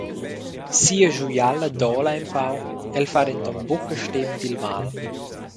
Sia schuiala dola empau, el fa denton buca stem dil mal.